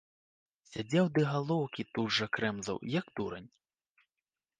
Сядзеў ды галоўкі тут жа крэмзаў, як дурань.